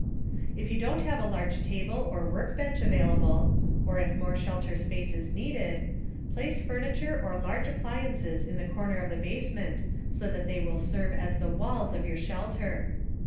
If you don't have a large table or workbench available or if more shelter space is needed place furniture or large appliances in the corner of the basement so they will serve as the "walls" of your shelter.